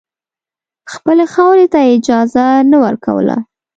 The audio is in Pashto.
خپلې خاورې ته اجازه نه ورکوله.